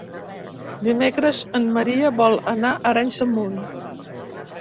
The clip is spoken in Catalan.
Dimecres en Maria vol anar a Arenys de Munt.